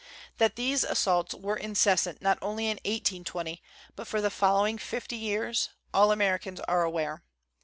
That these assaults were incessant not only in 1820, but for the following fifty years, all Americans are aware.